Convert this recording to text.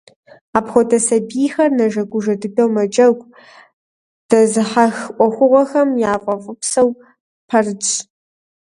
Апхуэдэ сабийхэр нэжэгужэ дыдэу мэджэгу, дэзыхьэх Ӏуэхугъуэхэм яфӀэфӀыпсу пэрытщ.